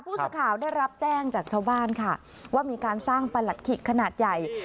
ผู้สื่อข่าวได้รับแจ้งจากชาวบ้านค่ะว่ามีการสร้างประหลัดขิกขนาดใหญ่